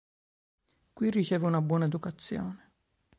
Qui riceve una buona educazione.